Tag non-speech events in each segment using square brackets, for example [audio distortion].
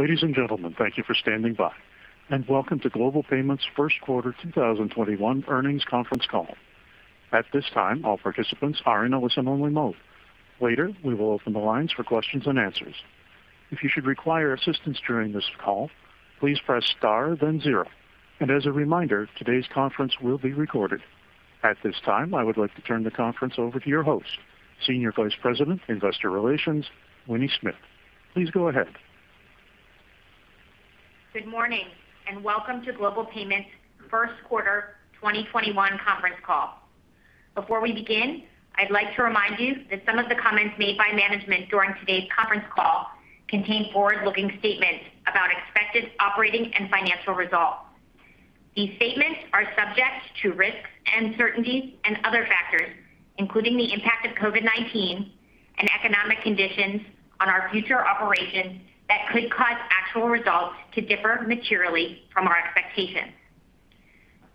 Ladies and gentlemen, thank you for standing by, and welcome to Global Payments' first quarter 2021 earnings conference call. At this time, all participants are in a listen-only mode. Later, we will open the lines for questions-and-answers. If you should require assistance during this call, please press star then zero. As a reminder, today's conference will be recorded. At this time, I would like to turn the conference over to your host, Senior Vice President, Investor Relations, Winnie Smith. Please go ahead. Good morning, welcome to Global Payments' first quarter 2021 conference call. Before we begin, I'd like to remind you that some of the comments made by management during today's conference call contain forward-looking statements about expected operating and financial results. These statements are subject to risks, uncertainties, and other factors, including the impact of COVID-19 and economic conditions on our future operations that could cause actual results to differ materially from our expectations.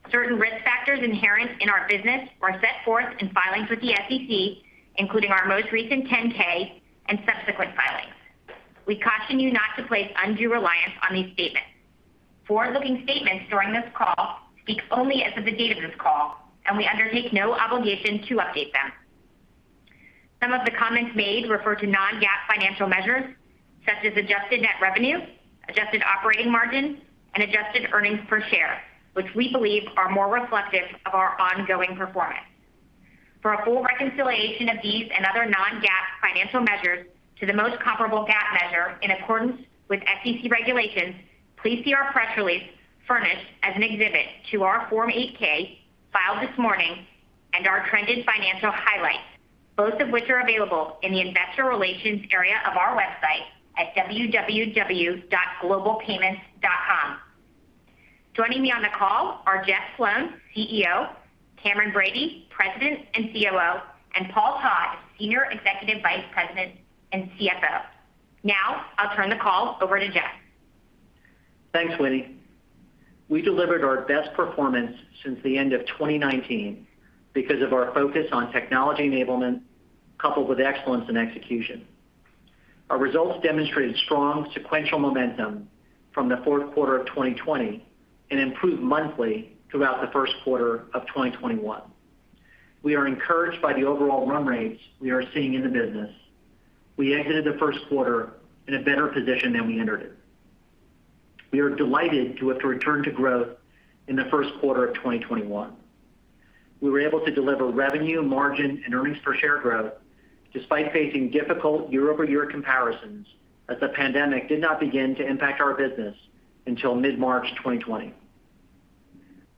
Certain risk factors inherent in our business are set forth in filings with the SEC, including our most recent 10-K and subsequent filings. We caution you not to place undue reliance on these statements. Forward-looking statements during this call speak only as of the date of this call, and we undertake no obligation to update them. Some of the comments made refer to non-GAAP financial measures, such as adjusted net revenue, adjusted operating margin, and adjusted earnings per share, which we believe are more reflective of our ongoing performance. For a full reconciliation of these and other non-GAAP financial measures to the most comparable GAAP measure in accordance with SEC regulations, please see our press release furnished as an exhibit to our Form 8-K filed this morning and our trended financial highlights, both of which are available in the investor relations area of our website at www.globalpayments.com. Joining me on the call are Jeff Sloan, CEO, Cameron Bready, President and COO, and Paul Todd, Senior Executive Vice President and CFO. Now, I'll turn the call over to Jeff. Thanks, Winnie. We delivered our best performance since the end of 2019 because of our focus on technology enablement coupled with excellence in execution. Our results demonstrated strong sequential momentum from the fourth quarter of 2020 and improved monthly throughout the first quarter of 2021. We are encouraged by the overall run rates we are seeing in the business. We exited the first quarter in a better position than we entered it. We are delighted to have returned to growth in the first quarter of 2021. We were able to deliver revenue, margin, and earnings per share growth despite facing difficult year-over-year comparisons, as the pandemic did not begin to impact our business until mid-March 2020.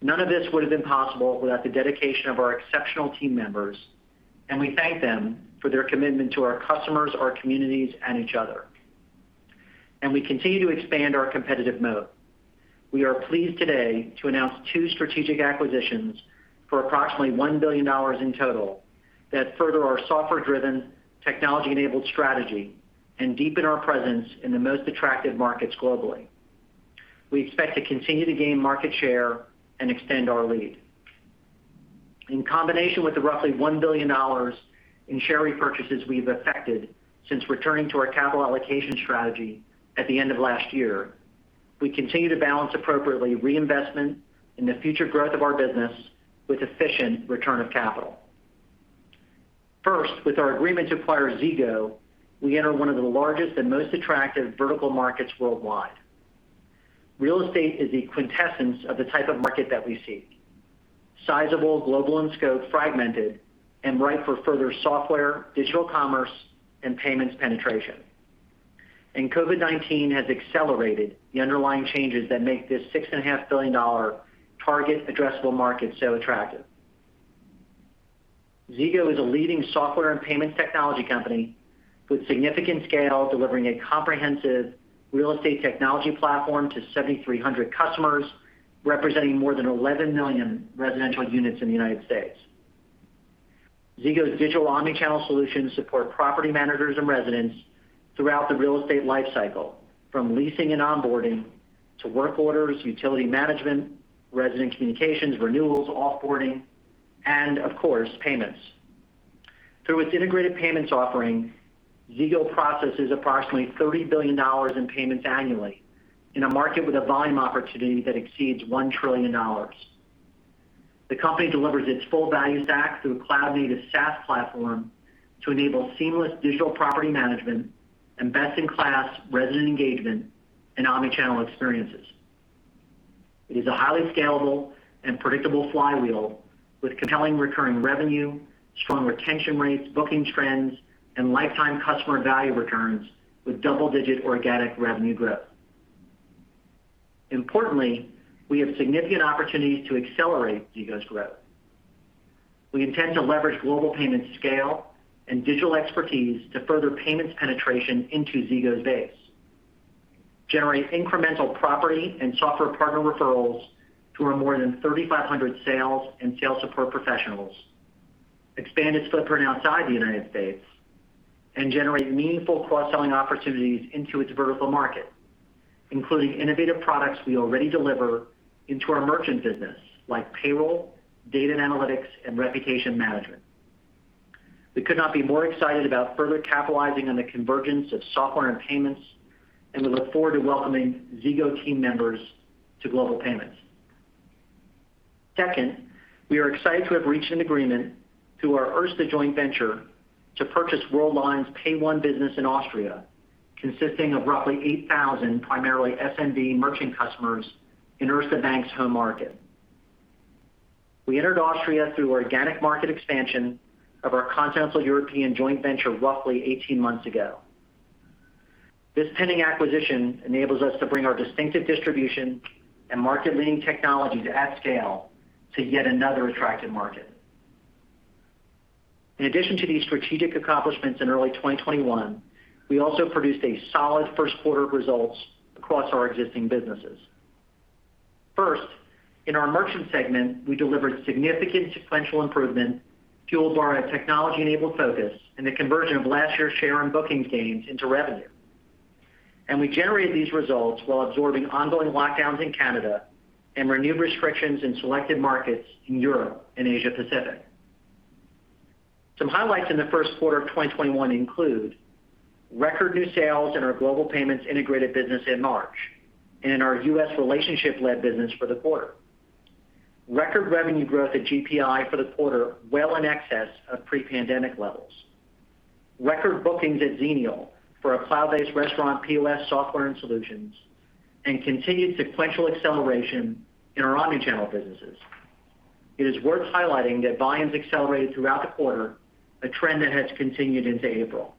None of this would've been possible without the dedication of our exceptional team members, and we thank them for their commitment to our customers, our communities, and each other. We continue to expand our competitive moat. We are pleased today to announce two strategic acquisitions for approximately $1 billion in total that further our software-driven, technology-enabled strategy and deepen our presence in the most attractive markets globally. We expect to continue to gain market share and extend our lead. In combination with the roughly $1 billion in share repurchases we've effected since returning to our capital allocation strategy at the end of last year, we continue to balance appropriately reinvestment in the future growth of our business with efficient return of capital. First, with our agreement to acquire Zego, we enter one of the largest and most attractive vertical markets worldwide. Real estate is the quintessence of the type of market that we seek. Sizable, global in scope, fragmented, and ripe for further software, digital commerce, and payments penetration. COVID-19 has accelerated the underlying changes that make this $6.5 billion target addressable market so attractive. Zego is a leading software and payments technology company with significant scale, delivering a comprehensive real estate technology platform to 7,300 customers, representing more than 11 million residential units in the United States. Zego's digital omnichannel solutions support property managers and residents throughout the real estate life cycle, from leasing and onboarding to work orders, utility management, resident communications, renewals, off-boarding, and of course, payments. Through its integrated payments offering, Zego processes approximately $30 billion in payments annually in a market with a volume opportunity that exceeds $1 trillion. The company delivers its full value stack through a cloud-native SaaS platform to enable seamless digital property management and best-in-class resident engagement and omnichannel experiences. It is a highly scalable and predictable flywheel with compelling recurring revenue, strong retention rates, booking trends, and lifetime customer value returns with double-digit organic revenue growth. Importantly, we have significant opportunities to accelerate Zego's growth. We intend to leverage Global Payments' scale and digital expertise to further payments penetration into Zego's base, generate incremental property and software partner referrals to our more than 3,500 sales and sales support professionals, expand its footprint outside the U.S., and generate meaningful cross-selling opportunities into its vertical market, including innovative products we already deliver into our merchant business, like payroll, data and analytics, and reputation management. We could not be more excited about further capitalizing on the convergence of software and payments, and we look forward to welcoming Zego team members to Global Payments. We are excited to have reached an agreement through our Erste joint venture to purchase Worldline's PAYONE business in Austria, consisting of roughly 8,000 primarily SMB merchant customers in Erste Bank's home market. We entered Austria through organic market expansion of our Continental European joint venture roughly 18 months ago. This pending acquisition enables us to bring our distinctive distribution and market-leading technologies at scale to yet another attractive market. In addition to these strategic accomplishments in early 2021, we also produced a solid first quarter of results across our existing businesses. First, in our merchant segment, we delivered significant sequential improvement fueled by our technology-enabled focus and the conversion of last year's share on booking gains into revenue. We generated these results while absorbing ongoing lockdowns in Canada and renewed restrictions in selected markets in Europe and Asia Pacific. Some highlights in the first quarter of 2021 include record new sales in our Global Payments Integrated business in March and in our U.S. relationship-led business for the quarter. Record revenue growth at GPI for the quarter well in excess of pre-pandemic levels. Record bookings at Xenial for our cloud-based restaurant POS software and solutions. Continued sequential acceleration in our omni-channel businesses. It is worth highlighting that volumes accelerated throughout the quarter, a trend that has continued into April.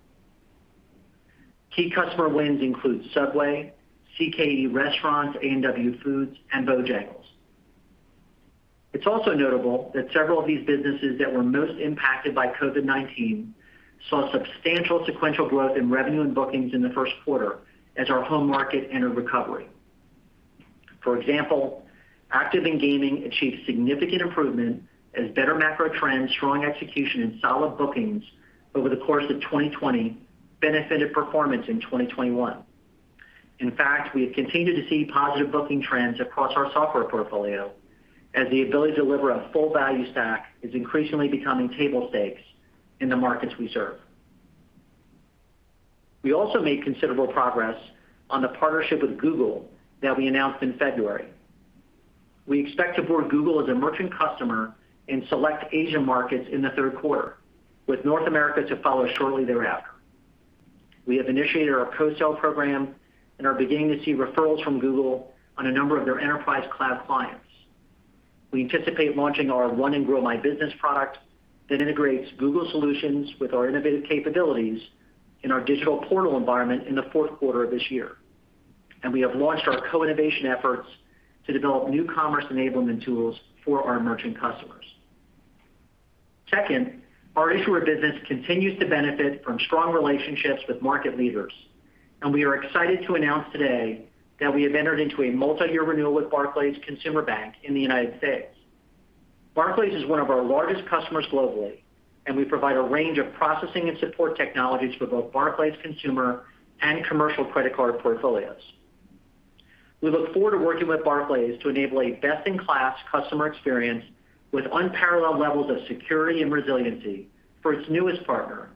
Key customer wins include Subway, CKE Restaurants, A&W Restaurants, and Bojangles. It's also notable that several of these businesses that were most impacted by COVID-19 saw substantial sequential growth in revenue and bookings in the first quarter as our home market entered recovery. For example, ACTIVE Network achieved significant improvement as better macro trends, strong execution, and solid bookings over the course of 2020 benefited performance in 2021. In fact, we have continued to see positive booking trends across our software portfolio as the ability to deliver a full value stack is increasingly becoming table stakes in the markets we serve. We also made considerable progress on the partnership with Google that we announced in February. We expect to board Google as a merchant customer in select Asian markets in the third quarter, with North America to follow shortly thereafter. We have initiated our co-sell program and are beginning to see referrals from Google on a number of their enterprise Cloud clients. We anticipate launching our Run and Grow My Business product that integrates Google solutions with our innovative capabilities in our digital portal environment in the fourth quarter of this year. We have launched our co-innovation efforts to develop new commerce enablement tools for our merchant customers. Second, our issuer business continues to benefit from strong relationships with market leaders. We are excited to announce today that we have entered into a multi-year renewal with Barclays US Consumer Bank in the United States. Barclays is one of our largest customers globally. We provide a range of processing and support technologies for both Barclays' consumer and commercial credit card portfolios. We look forward to working with Barclays to enable a best-in-class customer experience with unparalleled levels of security and resiliency for its newest partner,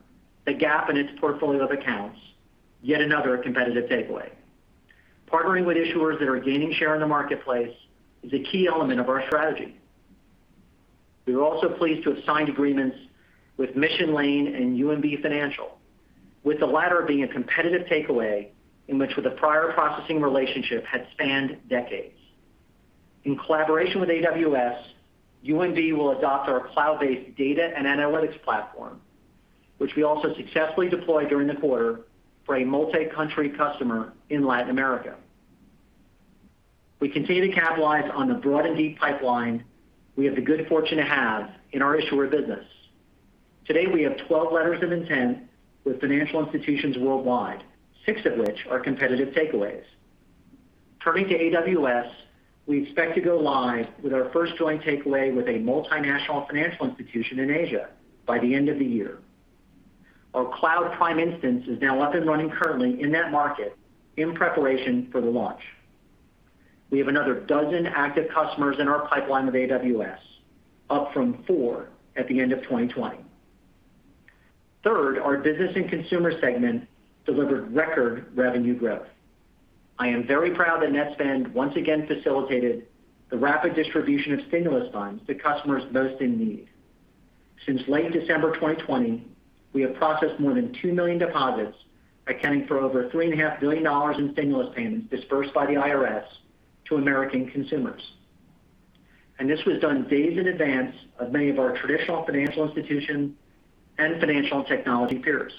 Gap Inc. in its portfolio of accounts, yet another competitive takeaway. Partnering with issuers that are gaining share in the marketplace is a key element of our strategy. We were also pleased to have signed agreements with Mission Lane and UMB Financial, with the latter being a competitive takeaway in which with a prior processing relationship had spanned decades. In collaboration with AWS, UMB will adopt our cloud-based data and analytics platform, which we also successfully deployed during the quarter for a multi-country customer in Latin America. We continue to capitalize on the broad and deep pipeline we have the good fortune to have in our issuer business. Today, we have 12 letters of intent with financial institutions worldwide, six of which are competitive takeaways. Turning to AWS, we expect to go live with our first joint takeaway with a multinational financial institution in Asia by the end of the year. Our Cloud Prime instance is now up and running currently in that market in preparation for the launch. We have another dozen active customers in our pipeline with AWS, up from four at the end of 2020. Third, our business and consumer segment delivered record revenue growth. I am very proud that Netspend once again facilitated the rapid distribution of stimulus funds to customers most in need. Since late December 2020, we have processed more than two million deposits accounting for over $3.5 billion in stimulus payments disbursed by the IRS to American consumers. This was done days in advance of many of our traditional financial institution and financial and technology peers.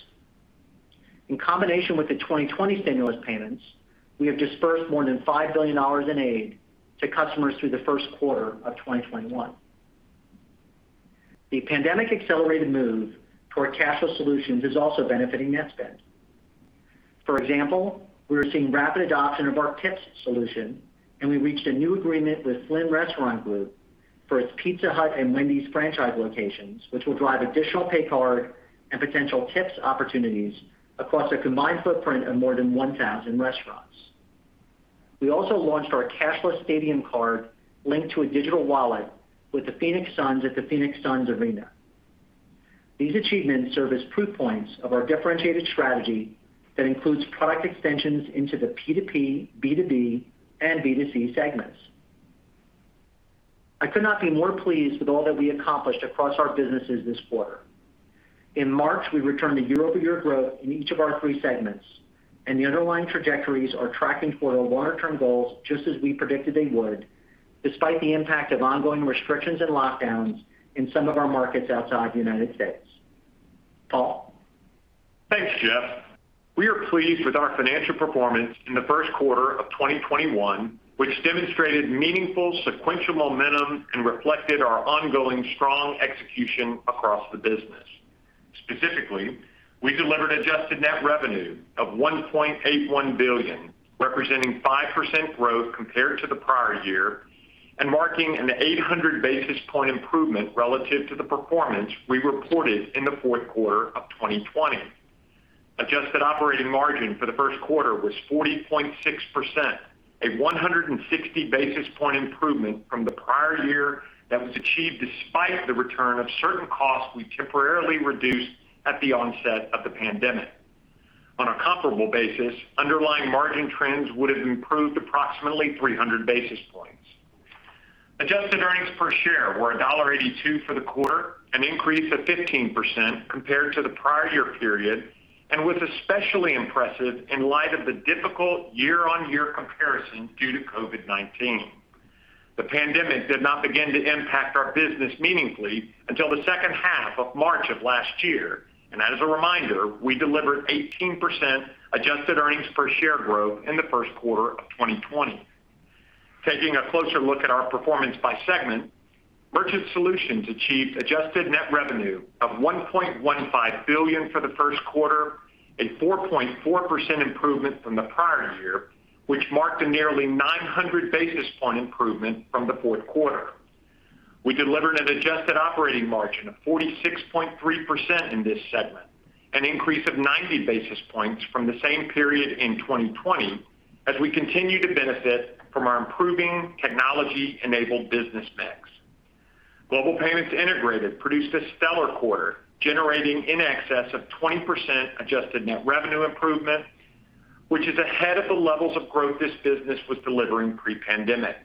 In combination with the 2020 stimulus payments, we have disbursed more than $5 billion in aid to customers through the first quarter of 2021. The pandemic-accelerated move toward cashless solutions is also benefiting Netspend. For example, we are seeing rapid adoption of our tips solution. We reached a new agreement with Flynn Restaurant Group for its Pizza Hut and Wendy's franchise locations, which will drive additional pay card and potential tips opportunities across a combined footprint of more than 1,000 restaurants. We also launched our cashless stadium card linked to a digital wallet with the Phoenix Suns at the Phoenix Suns Arena. These achievements serve as proof points of our differentiated strategy that includes product extensions into the P2P, B2B, and B2C segments. I could not be more pleased with all that we accomplished across our businesses this quarter. In March, we returned to year-over-year growth in each of our three segments. The underlying trajectories are tracking for our longer-term goals, just as we predicted they would, despite the impact of ongoing restrictions and lockdowns in some of our markets outside the U.S. Paul? Thanks, Jeff. We are pleased with our financial performance in the first quarter of 2021, which demonstrated meaningful sequential momentum and reflected our ongoing strong execution across the business. Specifically, we delivered adjusted net revenue of $1.81 billion, representing 5% growth compared to the prior year, and marking an 800-basis point improvement relative to the performance we reported in the fourth quarter of 2020. Adjusted operating margin for the first quarter was 40.6%, a 160-basis point improvement from the prior year that was achieved despite the return of certain costs we temporarily reduced at the onset of the pandemic. On a comparable basis, underlying margin trends would've improved approximately 300 basis points. Adjusted earnings per share were $1.82 for the quarter, an increase of 15% compared to the prior year period, and was especially impressive in light of the difficult year-on-year comparison due to COVID-19. The pandemic did not begin to impact our business meaningfully until the second half of March of last year. As a reminder, we delivered 18% adjusted earnings per share growth in the first quarter of 2020. Taking a closer look at our performance by segment, Merchant Solutions achieved adjusted net revenue of $1.15 billion for the first quarter, a 4.4% improvement from the prior year, which marked a nearly 900 basis points improvement from the fourth quarter. We delivered an adjusted operating margin of 46.3% in this segment, an increase of 90 basis points from the same period in 2020, as we continue to benefit from our improving technology-enabled business mix. Global Payments Integrated produced a stellar quarter, generating in excess of 20% adjusted net revenue improvement, which is ahead of the levels of growth this business was delivering pre-pandemic.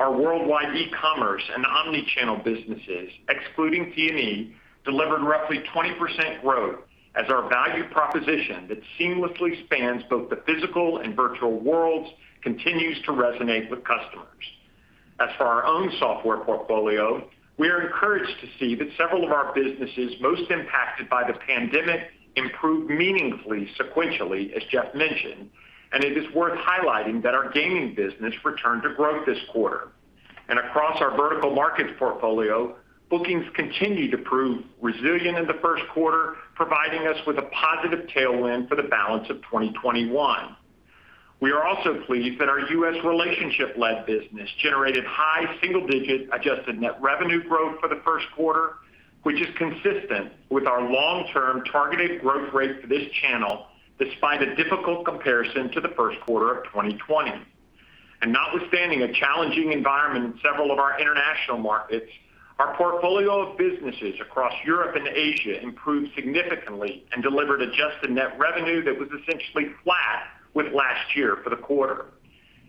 Our worldwide e-commerce and omni-channel businesses, excluding T&E, delivered roughly 20% growth as our value proposition that seamlessly spans both the physical and virtual worlds continues to resonate with customers. As for our own software portfolio, we are encouraged to see that several of our businesses most impacted by the pandemic improved meaningfully sequentially, as Jeff mentioned. It is worth highlighting that our gaming business returned to growth this quarter. Across our vertical markets portfolio, bookings continued to prove resilient in the first quarter, providing us with a positive tailwind for the balance of 2021. We are also pleased that our U.S. relationship-led business generated high single-digit adjusted net revenue growth for the first quarter, which is consistent with our long-term targeted growth rate for this channel, despite a difficult comparison to the first quarter of 2020. notwithstanding a challenging environment in several of our international markets, our portfolio of businesses across Europe and Asia improved significantly and delivered adjusted net revenue that was essentially flat with last year for the quarter.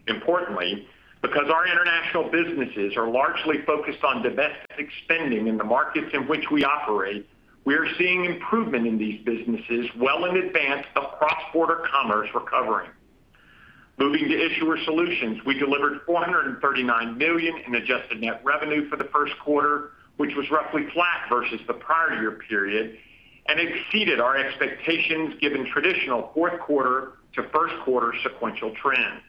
Importantly, because our international businesses are largely focused on domestic spending in the markets in which we operate, we are seeing improvement in these businesses well in advance of cross-border commerce recovering. Moving to Issuer Solutions, we delivered $439 million in adjusted net revenue for the first quarter, which was roughly flat versus the prior year period and exceeded our expectations given traditional fourth quarter to first quarter sequential trends.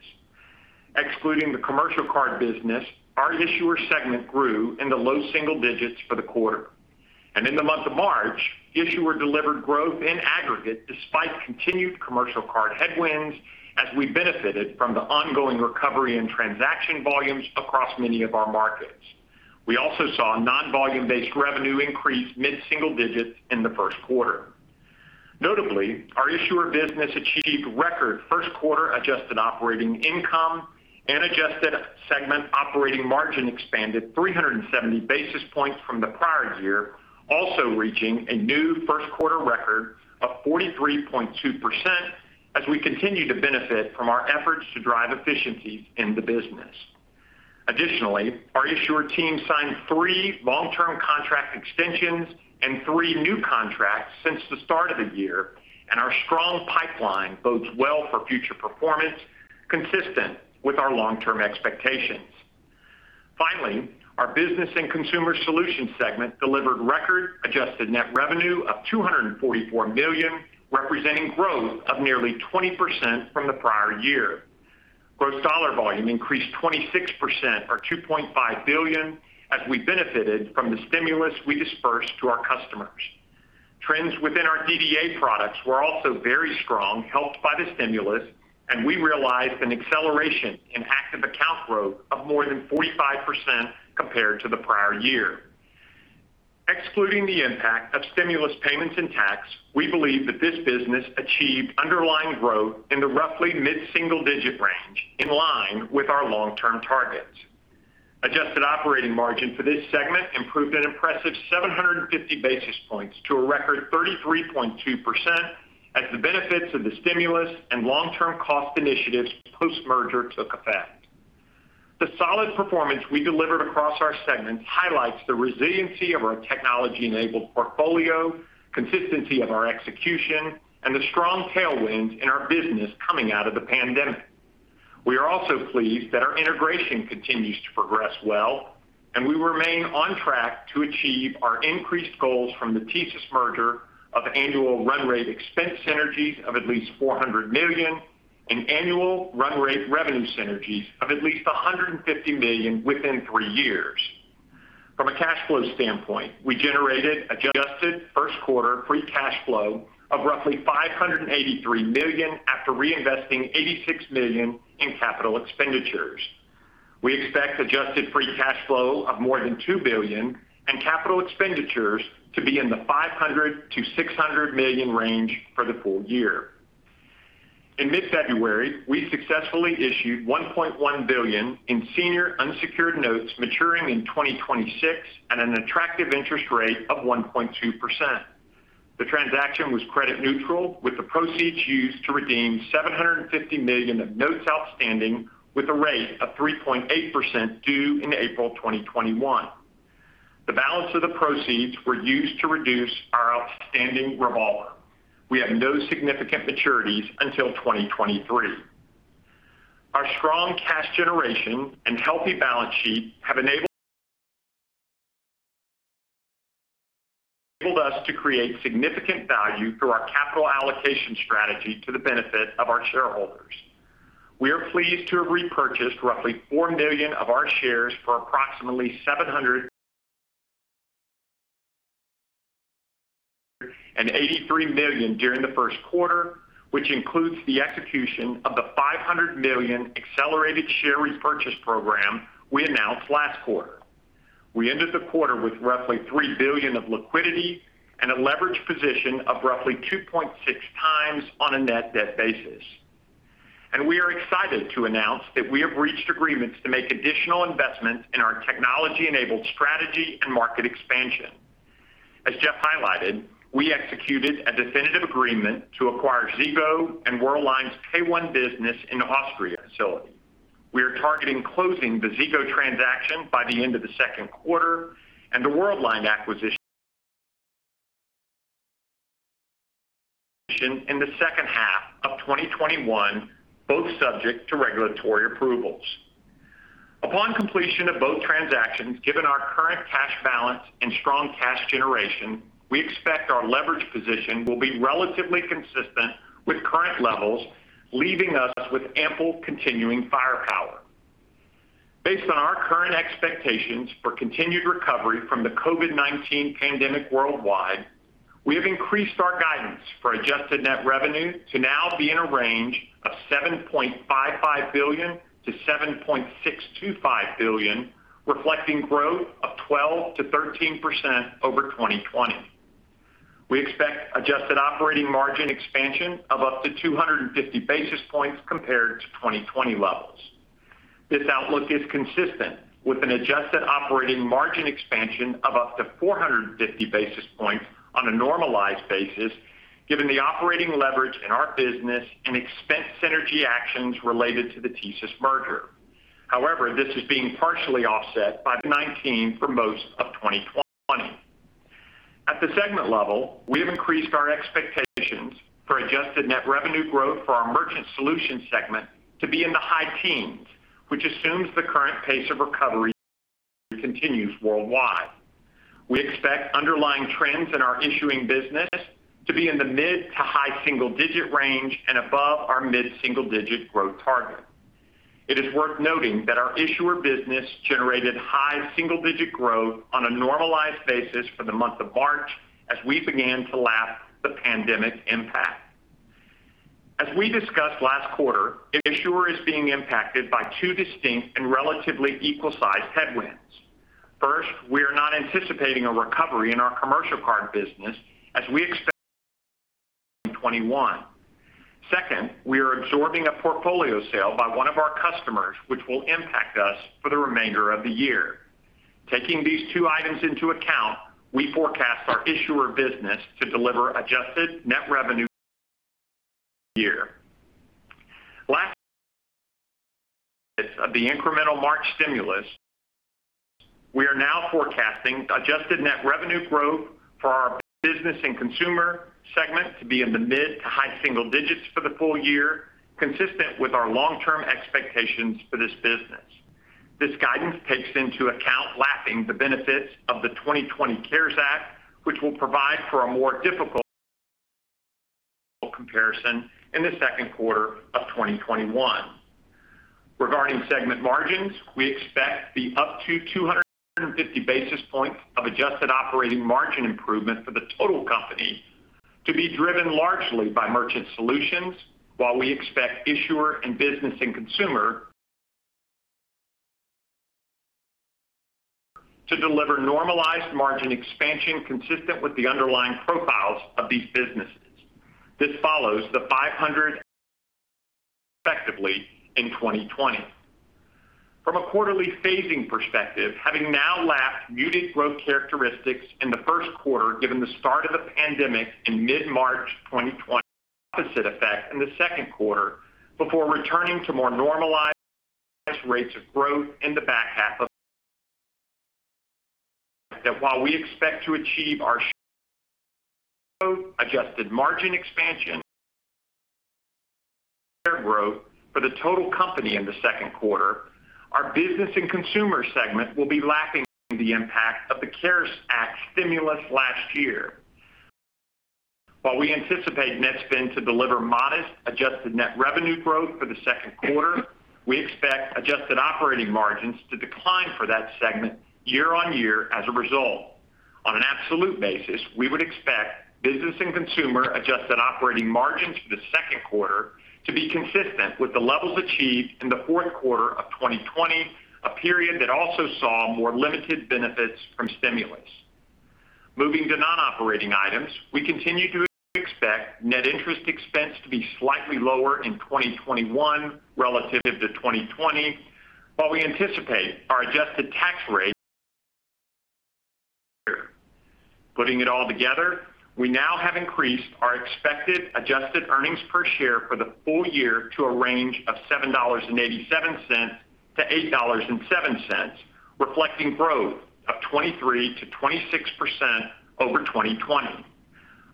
Excluding the commercial card business, our issuer segment grew in the low single digits for the quarter. in the month of March, issuer delivered growth in aggregate despite continued commercial card headwinds, as we benefited from the ongoing recovery in transaction volumes across many of our markets. We also saw non-volume based revenue increase mid-single digits in the first quarter. Notably, our issuer business achieved record first quarter adjusted operating income and adjusted segment operating margin expanded 370 basis points from the prior year, also reaching a new first quarter record of 43.2% as we continue to benefit from our efforts to drive efficiencies in the business. Additionally, our issuer team signed three long-term contract extensions and three new contracts since the start of the year, and our strong pipeline bodes well for future performance consistent with our long-term expectations. Finally, our business and consumer solutions segment delivered record adjusted net revenue of $244 million, representing growth of nearly 20% from the prior year. Gross dollar volume increased 26% or $2.5 billion, as we benefited from the stimulus we dispersed to our customers. Trends within our DDA products were also very strong, helped by the stimulus, and we realized an acceleration in active account growth of more than 45% compared to the prior year. Excluding the impact of stimulus payments and tax, we believe that this business achieved underlying growth in the roughly mid-single-digit range, in line with our long-term targets. Adjusted operating margin for this segment improved an impressive 750 basis points to a record 33.2%, as the benefits of the stimulus and long-term cost initiatives post-merger took effect. The solid performance we delivered across our segments highlights the resiliency of our technology-enabled portfolio, consistency of our execution, and the strong tailwinds in our business coming out of the pandemic. We are also pleased that our integration continues to progress well, and we remain on track to achieve our increased goals from the TSYS merger of annual run rate expense synergies of at least $400 million, and annual run rate revenue synergies of at least $150 million within three years. From a cash flow standpoint, we generated adjusted first quarter free cash flow of roughly $583 million after reinvesting $86 million in capital expenditures. We expect adjusted free cash flow of more than $2 billion and capital expenditures to be in the $500 million-$600 million range for the full year. In mid-February, we successfully issued $1.1 billion in senior unsecured notes maturing in 2026 at an attractive interest rate of 1.2%. The transaction was credit neutral with the proceeds used to redeem $750 million of notes outstanding with a rate of 3.8% due in April 2021. The balance of the proceeds were used to reduce our outstanding revolver. We have no significant maturities until 2023. Our strong cash generation and healthy balance sheet have enabled us to create significant value through our capital allocation strategy to the benefit of our shareholders. We are pleased to have repurchased roughly four million of our shares for approximately $783 million during the first quarter, which includes the execution of the $500 million accelerated share repurchase program we announced last quarter. We ended the quarter with roughly three billion of liquidity and a leverage position of roughly 2.6x on a net debt basis. We are excited to announce that we have reached agreements to make additional investments in our technology-enabled strategy and market expansion. As Jeff highlighted, we executed a definitive agreement to acquire Zego and Worldline's Payone business in Austria facility. We are targeting closing the Zego transaction by the end of the second quarter and the Worldline acquisition in the second half of 2021, both subject to regulatory approvals. Upon completion of both transactions, given our current cash balance and strong cash generation, we expect our leverage position will be relatively consistent with current levels, leaving us with ample continuing firepower. Based on our current expectations for continued recovery from the COVID-19 pandemic worldwide, we have increased our guidance for adjusted net revenue to now be in a range of $7.55 billion-$7.625 billion, reflecting growth of 12%-13% over 2020. We expect adjusted operating margin expansion of up to 250 basis points compared to 2020 levels. This outlook is consistent with an adjusted operating margin expansion of up to 450 basis points on a normalized basis, given the operating leverage in our business and expense synergy actions related to the TSYS merger. However, this is being partially offset by COVID-19 for most of 2020. At the segment level, we have increased our expectations for adjusted net revenue growth for our Merchant Solutions segment to be in the high teens, which assumes the current pace of recovery continues worldwide. We expect underlying trends in our issuing business to be in the mid to high single digit range and above our mid-single-digit growth target. It is worth noting that our issuer business generated high single-digit growth on a normalized basis for the month of March as we began to lap the pandemic impact. As we discussed last quarter, the issuer is being impacted by two distinct and relatively equal-sized headwinds. First, we are not anticipating a recovery in our commercial card business as we expect in 2021. Second, we are absorbing a portfolio sale by one of our customers, which will impact us for the remainder of the year. Taking these two items into account, we forecast our issuer business to deliver adjusted net revenue for the year. Lastly, of the incremental March stimulus, we are now forecasting adjusted net revenue growth for our business and consumer segment to be in the mid to high single digits for the full year, consistent with our long-term expectations for this business. This guidance takes into account lapping the benefits of the 2020 CARES Act, which will provide for a more difficult comparison in the second quarter of 2021. Regarding segment margins, we expect the up to 250 basis points of adjusted operating margin improvement for the total company to be driven largely by Merchant Solutions, while we expect issuer and business and consumer to deliver normalized margin expansion consistent with the underlying profiles of these businesses. This follows the 500 basis points [audio distortion] respectively in 2020. From a quarterly phasing perspective, having now lapped muted growth characteristics in the first quarter, given the start of the pandemic in mid-March 2020, the opposite effect in the second quarter, before returning to more normalized rates of growth in the back half of the year. That while we expect to achieve our share growth, adjusted margin expansion, share growth for the total company in the second quarter, our business and consumer segment will be lapping the impact of the CARES Act stimulus last year. While we anticipate Netspend to deliver modest adjusted net revenue growth for the second quarter, we expect adjusted operating margins to decline for that segment year-over-year as a result. On an absolute basis, we would expect business and consumer adjusted operating margins for the second quarter to be consistent with the levels achieved in the fourth quarter of 2020, a period that also saw more limited benefits from stimulus. Moving to non-operating items, we continue to expect net interest expense to be slightly lower in 2021 relative to 2020, while we anticipate our adjusted tax rate. Putting it all together, we now have increased our expected adjusted earnings per share for the full year to a range of $7.87-$8.07, reflecting growth of 23%-26% over 2020.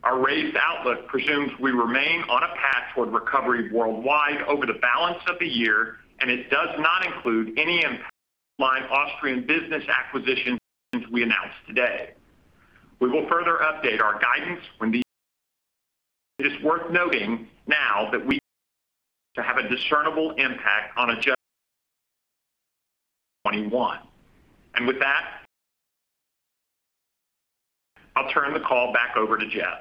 Our raised outlook presumes we remain on a path toward recovery worldwide over the balance of the year, and it does not include any impact from the underlying Austrian business acquisition we announced today. We will further update our guidance when the. It is worth noting now that we to have a discernible impact on adjusted with that, I'll turn the call back over to Jeff.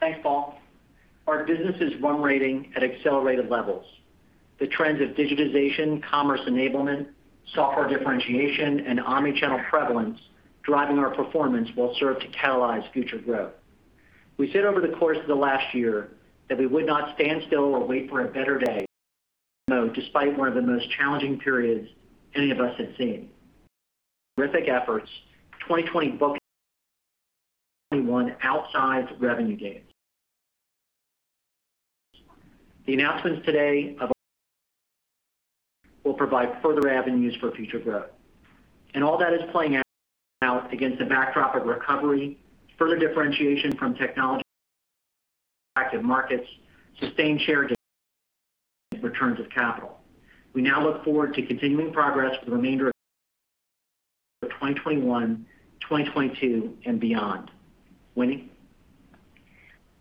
Thanks, Paul. Our business is run rating at accelerated levels. The trends of digitization, commerce enablement, software differentiation, and omni-channel prevalence driving our performance will serve to catalyze future growth. We said over the course of the last year that we would not stand still or wait for a better day. Despite one of the most challenging periods any of us had seen. Terrific efforts, 2020 booked 21 outsized revenue gains. The announcements today of will provide further avenues for future growth. All that is playing out against a backdrop of recovery, further differentiation from technology, active markets, sustained share returns of capital. We now look forward to continuing progress for the remainder of 2021, 2022, and beyond. Winnie?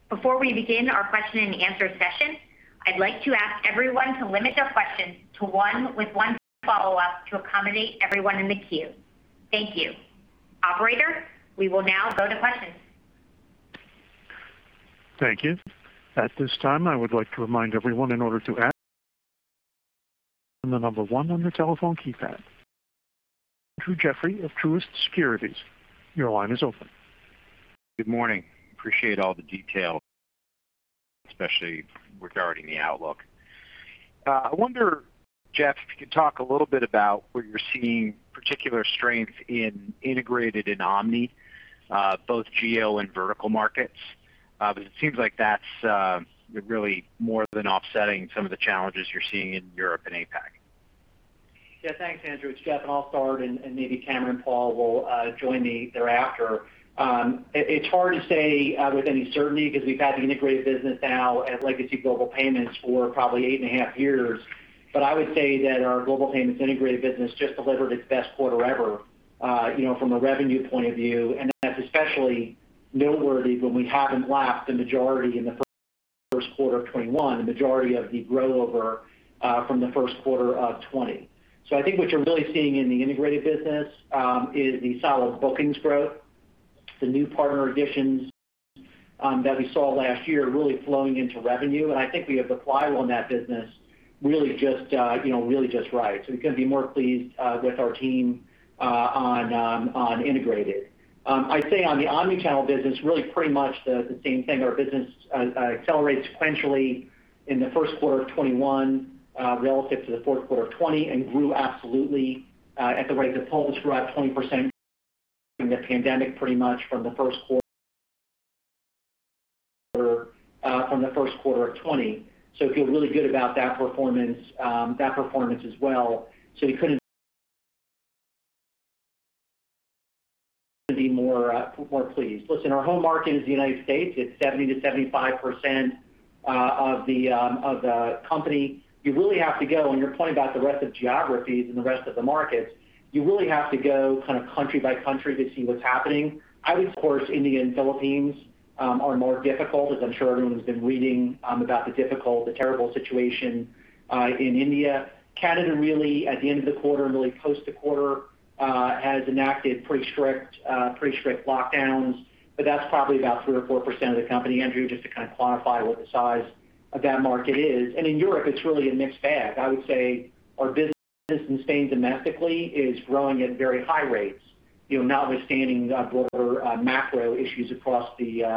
Before we begin our question-and-answer session, I'd like to ask everyone to limit their questions to one with one follow-up to accommodate everyone in the queue. Thank you. Operator, we will now go to questions. Thank you. At this time, I would like to remind everyone in order to ask the number one on your telephone keypad. Andrew Jeffrey of Truist Securities, your line is open. Good morning. Appreciate all the detail, especially regarding the outlook. I wonder, Jeff, if you could talk a little bit about where you're seeing particular strength in integrated and omni both GL and vertical markets. It seems like that's really more than offsetting some of the challenges you're seeing in Europe and APAC. Yeah, thanks, Andrew. It's Jeff, and I'll start, and maybe Cameron and Paul will join me thereafter. It's hard to say with any certainty because we've had the integrated business now at Legacy Global Payments for probably eight and a half years. I would say that our Global Payments integrated business just delivered its best quarter ever from a revenue point of view, and that's especially noteworthy when we haven't lapped the majority in the first quarter of 2021, the majority of the grow over from the first quarter of 2020. I think what you're really seeing in the integrated business is the solid bookings growth, the new partner additions that we saw last year really flowing into revenue, and I think we have the flywheel on that business really just right. We couldn't be more pleased with our team on integrated. I'd say on the omni-channel business, really pretty much the same thing. Our business accelerated sequentially in the first quarter of 2021 relative to the fourth quarter of 2020 and grew absolutely at the rate the total grew at 20% during the pandemic, pretty much from the first quarter of 2020. Feel really good about that performance as well. We couldn't be more pleased. Listen, our home market is the United States. It's 70% to 75% of the company. You really have to go, and you're pointing about the rest of geographies and the rest of the markets. You really have to go country by country to see what's happening. I would, of course, India and Philippines are more difficult, as I'm sure everyone's been reading about the difficult, the terrible situation in India. Canada really at the end of the quarter and really post the quarter has enacted pretty strict lockdowns, but that's probably about 3% or 4% of the company, Andrew, just to kind of quantify what the size of that market is, and in Europe it's really a mixed bag. I would say our business in Spain domestically is growing at very high rates. Notwithstanding broader macro issues across the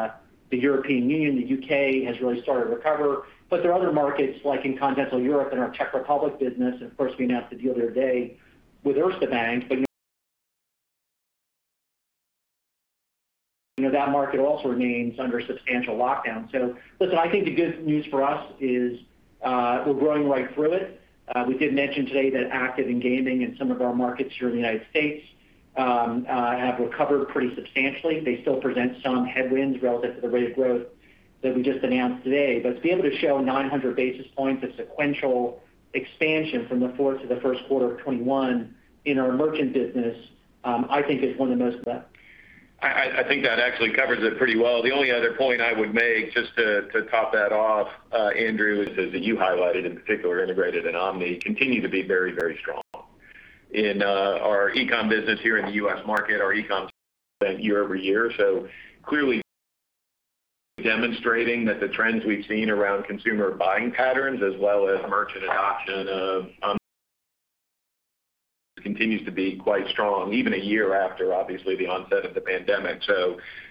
European Union, the U.K. has really started to recover. There are other markets like in continental Europe and our Czech Republic business, and of course, we announced the deal the other day with Erste Bank. That market also remains under substantial lockdown. Listen, I think the good news for us is we're growing right through it. We did mention today that active engraving in some of our markets here in the United States have recovered pretty substantially. They still present some headwinds relative to the rate of growth that we just announced today. To be able to show 900 basis points of sequential expansion from the fourth to the first quarter of 2021 in our merchant business, I think is one to notice that. I think that actually covers it pretty well. The only other point I would make just to top that off, Andrew, is that you highlighted in particular Integrated and Omni continue to be very, very strong. In our eCom business here in the U.S. market, our eCom spent year-over-year. Clearly demonstrating that the trends we've seen around consumer buying patterns as well as merchant adoption of Omni continues to be quite strong even a year after, obviously, the onset of the pandemic.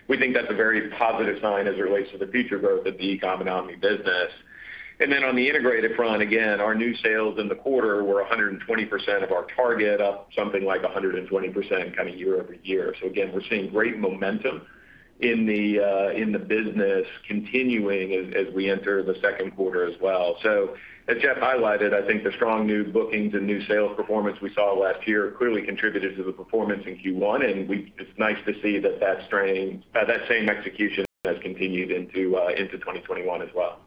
We think that's a very positive sign as it relates to the future growth of the eCom and Omni business. Then on the Integrated front, again, our new sales in the quarter were 120% of our target, up something like 120% year-over-year. Again, we're seeing great momentum in the business continuing as we enter the second quarter as well. As Jeff highlighted, I think the strong new bookings and new sales performance we saw last year clearly contributed to the performance in Q1. It's nice to see that that same execution has continued into 2021 as well.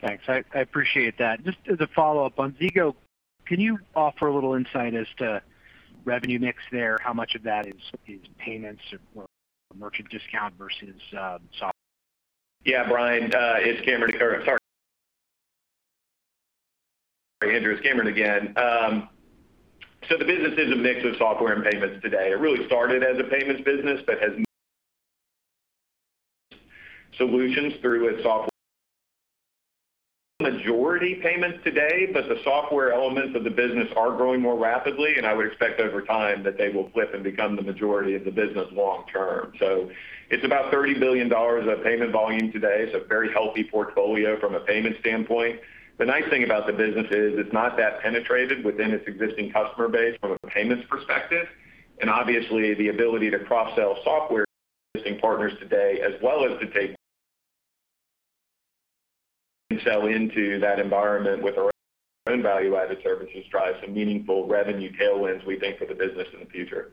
Thanks. I appreciate that. Just as a follow-up on Zego, can you offer a little insight as to revenue mix there? How much of that is payments or merchant discount versus software? Yeah, Brian, it's Cameron. Sorry, Andrew, it's Cameron again. The business is a mix of software and payments today. It really started as a payments business but has moved solutions through its software majority payments today. The software elements of the business are growing more rapidly, and I would expect over time that they will flip and become the majority of the business long term. It's about $30 billion of payment volume today. It's a very healthy portfolio from a payment standpoint. The nice thing about the business is it's not that penetrated within its existing customer base from a payments perspective. Obviously, the ability to cross-sell software existing partners today as well as to take and sell into that environment with our own value-added services drive some meaningful revenue tailwinds, we think, for the business in the future.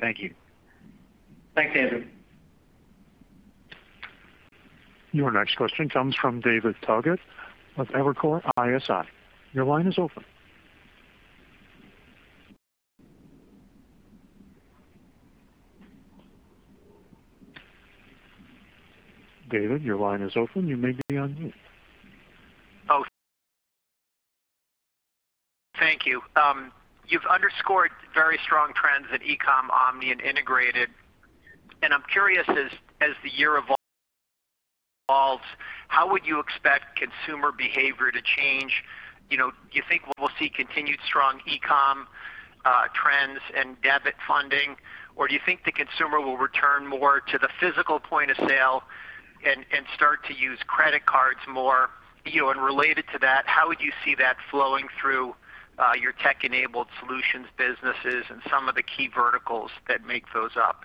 Thank you. Thanks, Andrew. Your next question comes from David Togut with Evercore ISI. Your line is open. David, your line is open. You may be unmuted. Oh, thank you. You've underscored very strong trends in eCom, Omni and Integrated, and I'm curious as the year evolves, how would you expect consumer behavior to change? Do you think we'll see continued strong eCom trends and debit funding, or do you think the consumer will return more to the physical point of sale and start to use credit cards more? Related to that, how would you see that flowing through your tech-enabled solutions businesses and some of the key verticals that make those up?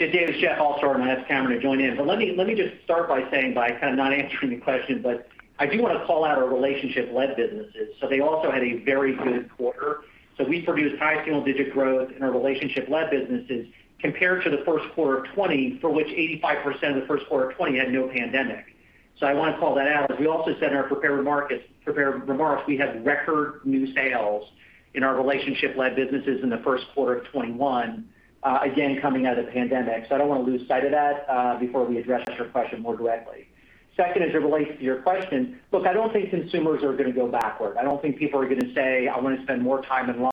Yeah, David, it's Jeff. I'll start and ask Cameron to join in. Let me just start by saying by kind of not answering the question, but I do want to call out our relationship-led businesses. They also had a very good quarter. We produced high single-digit growth in our relationship-led businesses compared to the first quarter of 2020, for which 85% of the first quarter of 2020 had no pandemic. I want to call that out. As we also said in our prepared remarks, we had record new sales in our relationship-led businesses in the first quarter of 2021, again, coming out of the pandemic. I don't want to lose sight of that before we address your question more directly. Second, as it relates to your question, look, I don't think consumers are going to go backward. I don't think people are going to say, "I want to spend more time online.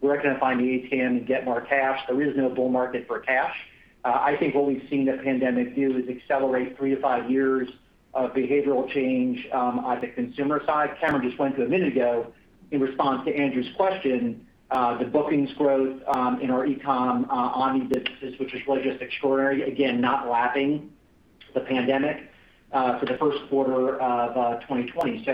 We're going to find the ATM and get more cash." There is no bull market for cash. I think what we've seen the pandemic do is accelerate three to five years of behavioral change on the consumer side. Cameron just went through a minute ago in response to Andrew's question the bookings growth in our eCom Omni businesses, which was really just extraordinary. Again, not lapping the pandemic for the first quarter of 2020.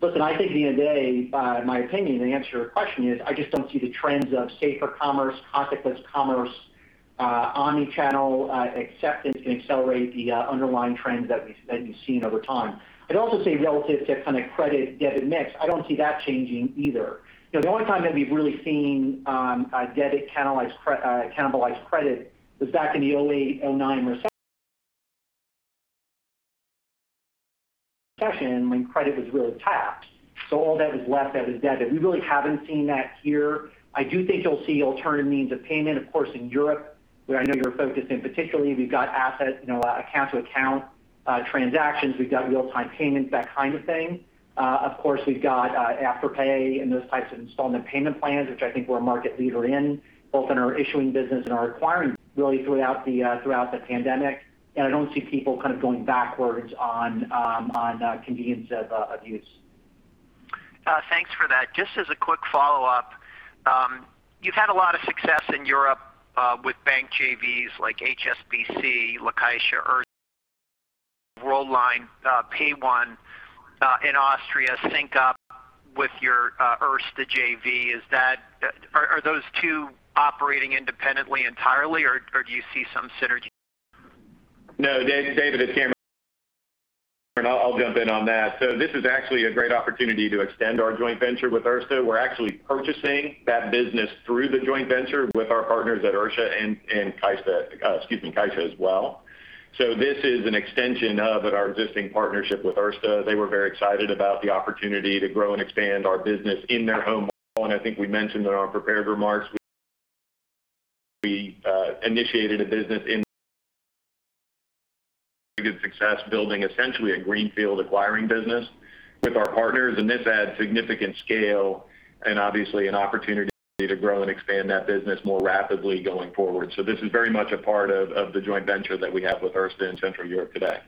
Listen, I think at the end of the day, my opinion to answer your question is I just don't see the trends of safer commerce, contactless commerce, omni-channel acceptance can accelerate the underlying trends that you've seen over time. I'd also say relative to kind of credit/debit mix, I don't see that changing either. The only time that we've really seen debit cannibalize credit was back in the 2008,2009 recession when credit was really tapped. All that was left out is debit. We really haven't seen that here. I do think you'll see alternative means of payment. Of course, in Europe, where I know you're focused in particularly, we've got asset account to account Transactions, we've got real-time payments, that kind of thing. Of course, we've got Afterpay and those types of installment payment plans, which I think we're a market leader in, both in our issuing business and our acquiring, really throughout the pandemic. I don't see people going backwards on convenience of use. Thanks for that. Just as a quick follow-up. You've had a lot of success in Europe with bank JVs, like HSBC, CaixaBank, Worldline, Payone in Austria sync up with your Erste JV. Are those two operating independently entirely, or do you see some synergy? No, David, it's Cameron. I'll jump in on that. This is actually a great opportunity to extend our joint venture with Erste. We're actually purchasing that business through the joint venture with our partners at Erste and Caixa as well. This is an extension of our existing partnership with Erste. They were very excited about the opportunity to grow and expand our business in their home market. I think we mentioned in our prepared remarks, we initiated a business with good success, building essentially a greenfield acquiring business with our partners, and this adds significant scale and obviously an opportunity to grow and expand that business more rapidly going forward. This is very much a part of the joint venture that we have with Erste in Central Europe today.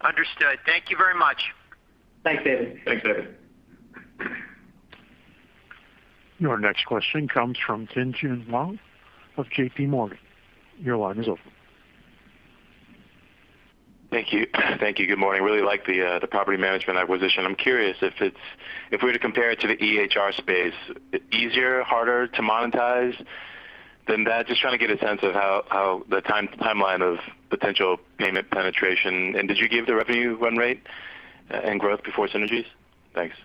Understood. Thank you very much. Thanks, David. Thanks, David. Your next question comes from Tien-Tsin Huang of JPMorgan. Your line is open. Thank you. Good morning. Really like the property management acquisition. I'm curious if we were to compare it to the EHR space, easier, harder to monetize than that? Just trying to get a sense of how the timeline of potential payment penetration. Did you give the revenue run rate and growth before synergies? Thanks.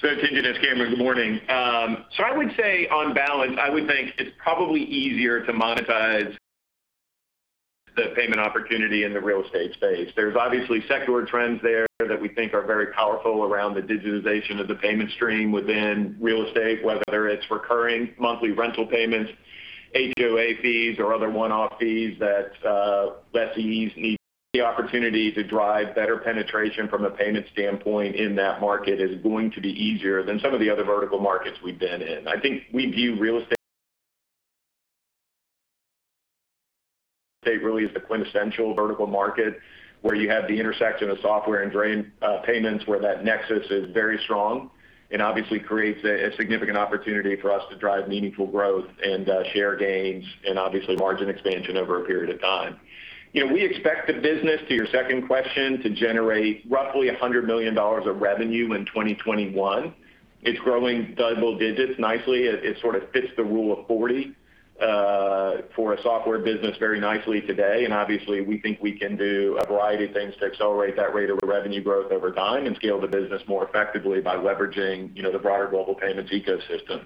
Tien-Tsin, it's Cameron. Good morning. I would say, on balance, I would think it's probably easier to monetize the payment opportunity in the real estate space. There's obviously secular trends there that we think are very powerful around the digitization of the payment stream within real estate, whether it's recurring monthly rental payments, HOA fees, or other one-off fees that lessees need. The opportunity to drive better penetration from a payment standpoint in that market is going to be easier than some of the other vertical markets we've been in. I think we view real estate really as the quintessential vertical market where you have the intersection of software and payments where that nexus is very strong and obviously creates a significant opportunity for us to drive meaningful growth and share gains and obviously margin expansion over a period of time. We expect the business, to your second question, to generate roughly $100 million of revenue in 2021. It's growing double digits nicely. It sort of fits the rule of 40 for a software business very nicely today, and obviously we think we can do a variety of things to accelerate that rate of revenue growth over time and scale the business more effectively by leveraging the broader global payments ecosystem.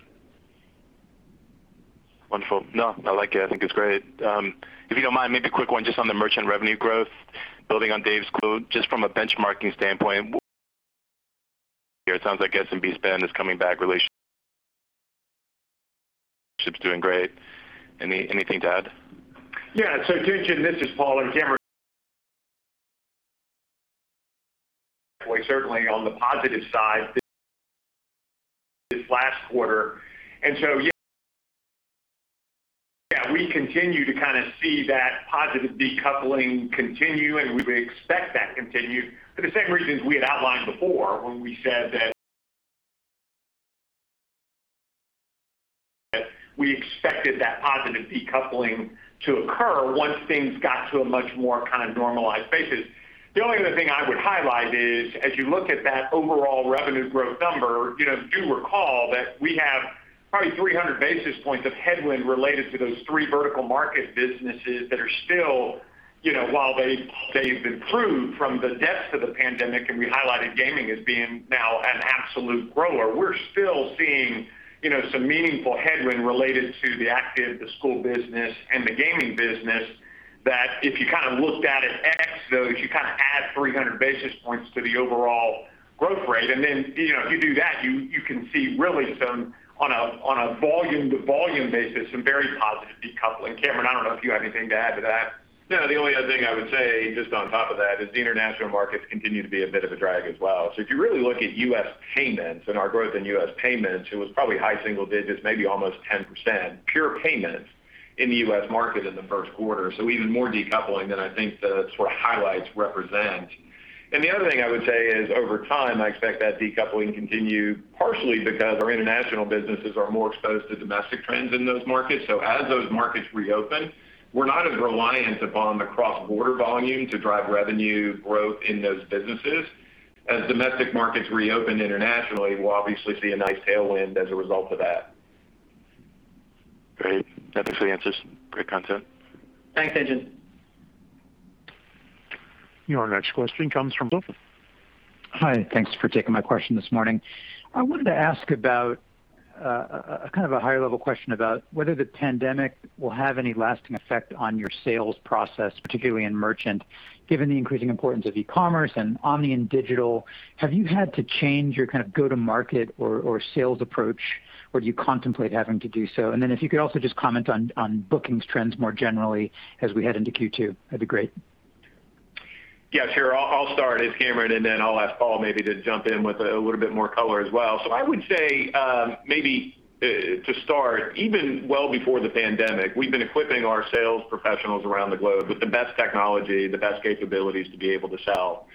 Wonderful. No, I like it. I think it's great. If you don't mind, maybe a quick one just on the merchant revenue growth, building on Dave's quote, just from a benchmarking standpoint. It sounds like SMB spend is coming back. Relationship's doing great. Anything to add? Yeah. Tien-Tsin Huang, this is Paul and Cameron. Certainly on the positive side this last quarter, and so yes, we continue to kind of see that positive decoupling continue, and we expect that to continue for the same reasons we had outlined before when we said that we expected that positive decoupling to occur once things got to a much more kind of normalized basis. The only other thing I would highlight is, as you look at that overall revenue growth number, you do recall that we have probably 300 basis points of headwind related to those three vertical market businesses that are still, while they've improved from the depths of the pandemic, and we highlighted gaming as being now an absolute grower. We're still seeing some meaningful headwind related to the active, the school business, and the gaming business, that if you kind of looked at it ex those, you kind of add 300 basis points to the overall growth rate. If you do that, you can see really some, on a volume-to-volume basis, some very positive decoupling. Cameron, I don't know if you have anything to add to that. No, the only other thing I would say, just on top of that, is the international markets continue to be a bit of a drag as well. If you really look at U.S. payments and our growth in U.S. payments, it was probably high single digits, maybe almost 10%, pure payments in the U.S. market in the first quarter. Even more decoupling than I think the sort of highlights represent. The other thing I would say is over time, I expect that decoupling continue partially because our international businesses are more exposed to domestic trends in those markets. As those markets reopen, we're not as reliant upon the cross-border volume to drive revenue growth in those businesses. As domestic markets reopen internationally, we'll obviously see a nice tailwind as a result of that. Great. That actually answers. Great content. Thanks, Tien-Tsin. Your next question comes from [Bluff]. Hi, thanks for taking my question this morning. I wanted to ask kind of a higher-level question about whether the pandemic will have any lasting effect on your sales process, particularly in merchant. Given the increasing importance of e-commerce and omni and digital, have you had to change your go-to-market or sales approach, or do you contemplate having to do so? If you could also just comment on bookings trends more generally as we head into Q2, that'd be great. Yeah, sure. I'll start it's Cameron, and then I'll ask Paul maybe to jump in with a little bit more color as well. I would say, maybe to start, even well before the pandemic, we've been equipping our sales professionals around the globe with the best technology, the best capabilities to be able to sell.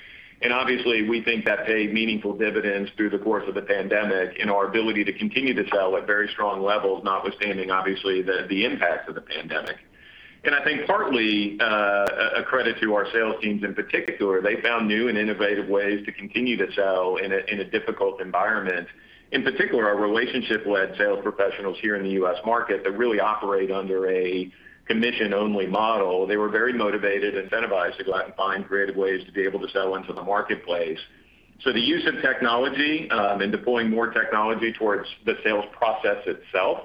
Obviously, we think that paid meaningful dividends through the course of the pandemic in our ability to continue to sell at very strong levels, notwithstanding, obviously, the impact of the pandemic. I think partly, a credit to our sales teams in particular. They found new and innovative ways to continue to sell in a difficult environment. In particular, our relationship-led sales professionals here in the U.S. market that really operate under a commission-only model, they were very motivated, incentivized to go out and find creative ways to be able to sell into the marketplace. The use of technology, and deploying more technology towards the sales process itself,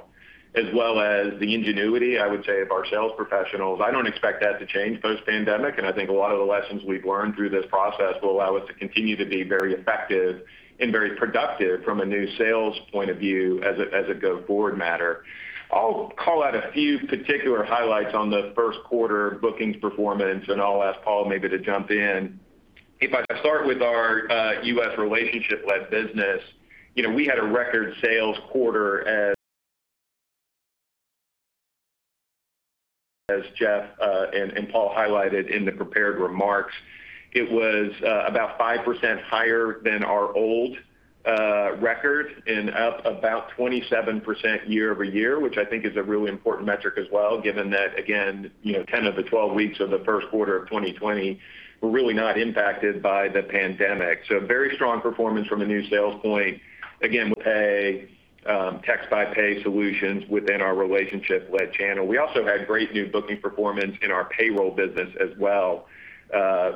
as well as the ingenuity, I would say, of our sales professionals, I don't expect that to change post-pandemic. I think a lot of the lessons we've learned through this process will allow us to continue to be very effective and very productive from a new sales point of view as a go-forward matter. I'll call out a few particular highlights on the first quarter bookings performance, and I'll ask Paul maybe to jump in. If I start with our U.S. relationship-led business, we had a record sales quarter as Jeff and Paul highlighted in the prepared remarks. It was about 5% higher than our old record and up about 27% year-over-year, which I think is a really important metric as well, given that again, 10 of the 12 weeks of the first quarter of 2020 were really not impacted by the pandemic. Very strong performance from a new sales point. Again, with Pay by Text solutions within our relationship-led channel. We also had great new booking performance in our payroll business as well.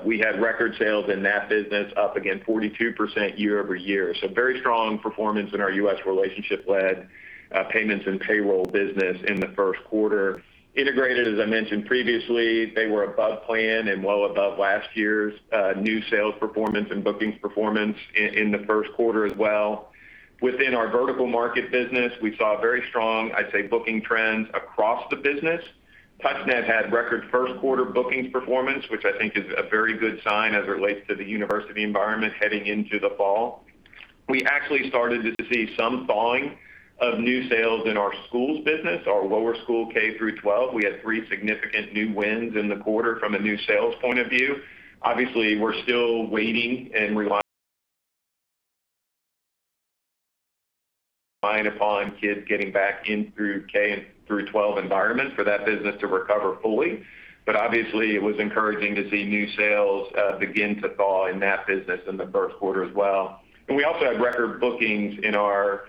We had record sales in that business up again 42% year-over-year. Very strong performance in our U.S. relationship-led payments and payroll business in the first quarter. Integrated, as I mentioned previously, they were above plan and well above last year's new sales performance and bookings performance in the first quarter as well. Within our vertical market business, we saw very strong, I'd say, booking trends across the business. TouchNet had record first quarter bookings performance, which I think is a very good sign as it relates to the university environment heading into the fall. We actually started to see some thawing of new sales in our schools business, our lower school K-12. We had three significant new wins in the quarter from a new sales point of view. Obviously, we're still waiting and relying upon kids getting back in k-12 environment for that business to recover fully. Obviously, it was encouraging to see new sales begin to thaw in that business in the first quarter as well. We also had record bookings in our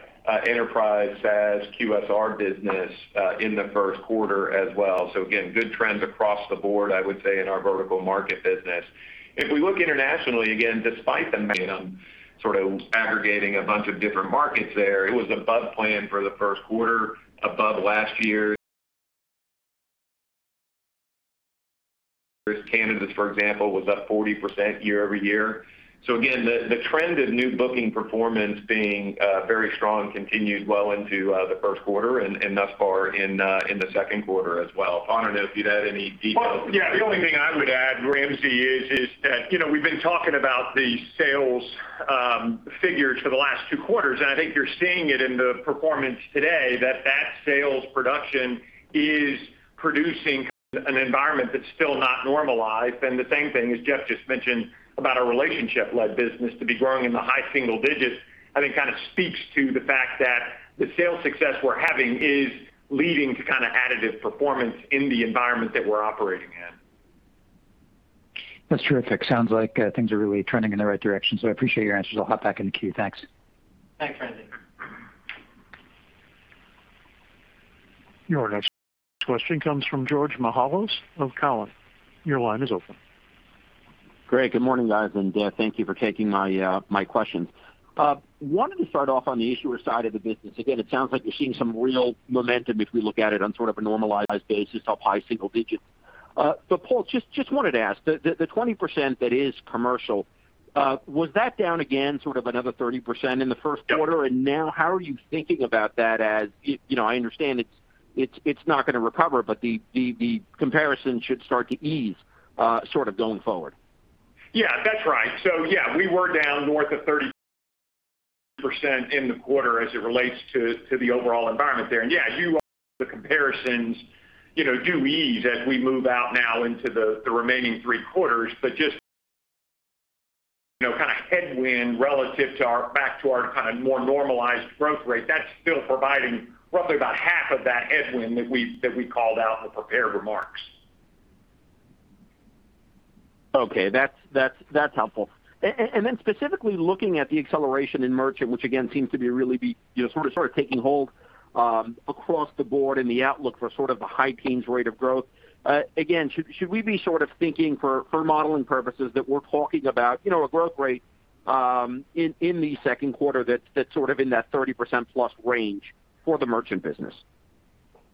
enterprise SaaS QSR business in the first quarter as well. Again, good trends across the board, I would say, in our vertical market business. If we look internationally, again, despite the 10 sort of aggregating a bunch of different markets there, it was above plan for the first quarter above last year. Canada, for example, was up 40% year-over-year. Again, the trend of new booking performance being very strong continued well into the first quarter and thus far in the second quarter as well. Paul, I don't know if you'd add any details. Paul, yeah, the only thing I would add, [Ramsey], is that we've been talking about the sales figures for the last two quarters, and I think you're seeing it in the performance today, that that sales production is producing an environment that's still not normalized. The same thing as Jeff just mentioned about our relationship-led business to be growing in the high single digits, I think kind of speaks to the fact that the sales success we're having is leading to kind of additive performance in the environment that we're operating in. That's terrific. Sounds like things are really trending in the right direction. I appreciate your answers. I'll hop back in the queue. Thanks. Thanks, [Randy]. Your next question comes from George Mihalos of Cowen. Your line is open. Great. Good morning, guys, and thank you for taking my questions. Wanted to start off on the issuer side of the business. Again, it sounds like you're seeing some real momentum if we look at it on sort of a normalized basis, up high single digits. Paul, just wanted to ask, the 20% that is commercial, was that down again sort of another 30% in the first quarter? Yep. now how are you thinking about that as I understand it's not going to recover, but the comparison should start to ease sort of going forward. Yeah, that's right. Yeah, we were down north of 30% in the quarter as it relates to the overall environment there. Yeah, the comparisons do ease as we move out now into the remaining three quarters. Just kind of headwind relative back to our kind of more normalized growth rate, that's still providing roughly about half of that headwind that we called out in the prepared remarks. Okay. That's helpful. Specifically looking at the acceleration in merchant, which again, seems to be really be sort of taking hold across the board and the outlook for sort of a high teens rate of growth. Again, should we be sort of thinking for modeling purposes that we're talking about a growth rate in the second quarter that's sort of in that 30%+ range for the merchant business?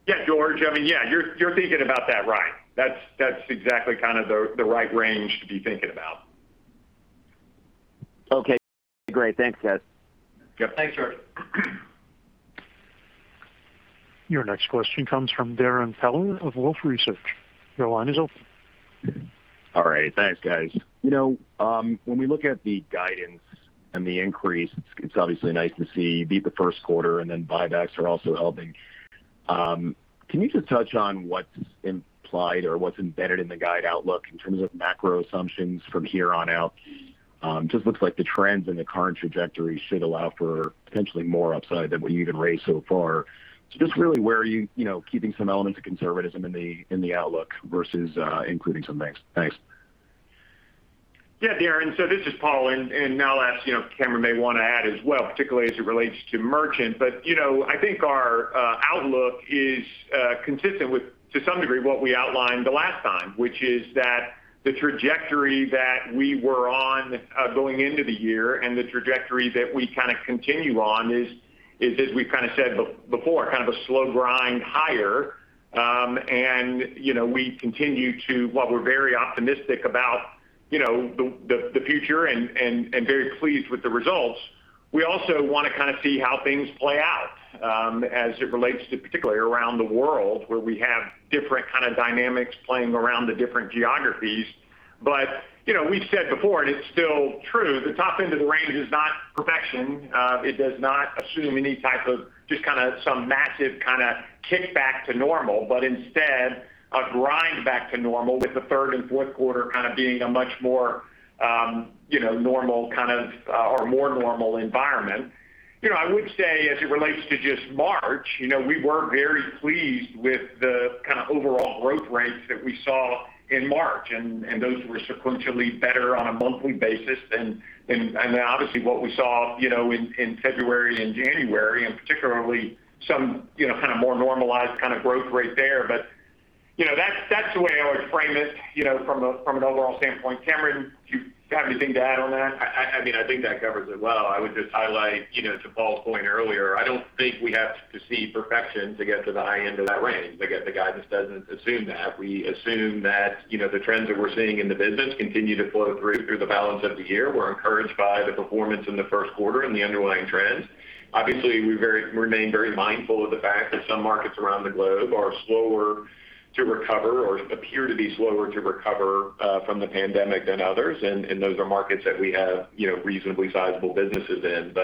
Yeah, George. Yeah, you're thinking about that right. That's exactly the right range to be thinking about. Okay, great. Thanks, guys. Yep. Thanks, George. Your next question comes from Darrin Peller of Wolfe Research. Your line is open. All right. Thanks, guys. When we look at the guidance and the increase, it's obviously nice to see you beat the first quarter and then buybacks are also helping. Can you just touch on what's implied or what's embedded in the guide outlook in terms of macro assumptions from here on out? Just looks like the trends and the current trajectory should allow for potentially more upside than what you even raised so far. Just really where are you keeping some elements of conservatism in the outlook versus including some banks. Thanks. Darrin. This is Paul, and I'll ask, Cameron may want to add as well, particularly as it relates to merchant. I think our outlook is consistent with, to some degree, what we outlined the last time, which is that the trajectory that we were on going into the year and the trajectory that we continue on is, as we've said before, a slow grind higher. We continue to, while we're very optimistic about the future and very pleased with the results, we also want to see how things play out, as it relates to particularly around the world, where we have different kind of dynamics playing around the different geographies. We've said before, and it's still true, the top end of the range is not perfection. It does not assume any type of just some massive kind of kickback to normal, but instead a grind back to normal with the third and fourth quarter being a much more normal kind of, or more normal environment. I would say, as it relates to just March, we were very pleased with the kind of overall growth rates that we saw in March. Those were sequentially better on a monthly basis than obviously what we saw in February and January, and particularly some more normalized kind of growth rate there. That's the way I would frame it from an overall standpoint. Cameron, do you have anything to add on that? I think that covers it well. I would just highlight to Paul's point earlier, I don't think we have to see perfection to get to the high end of that range. Again, the guidance doesn't assume that. We assume that the trends that we're seeing in the business continue to flow through the balance of the year. We're encouraged by the performance in the first quarter and the underlying trends. Obviously, we remain very mindful of the fact that some markets around the globe are slower to recover or appear to be slower to recover from the pandemic than others, and those are markets that we have reasonably sizable businesses in.